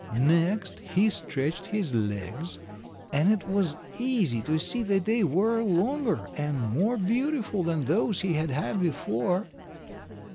Next, he stretched his legs, and it was easy to see that they were longer and more beautiful than those he had had before.